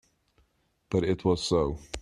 But it was so.